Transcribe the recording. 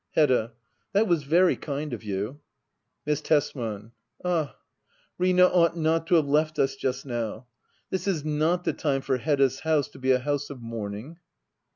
Hedda. That was very kind of you. Miss Tesman. Ah, Rina ought not to have left us just now. This is not the time for Hedda's house to be a house of mourning.